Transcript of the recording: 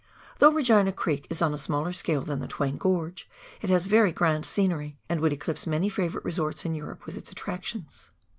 Though Regina Creek is on a smaller scale than the Twain Grorge, it has very grand scenery and would eclipse many favourite resorts in Europe with its attractions.